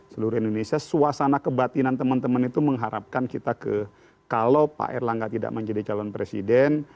seluruh indonesia suasana kebatinan teman teman itu mengharapkan kita ke kalau pak erlangga tidak menjadi calon presiden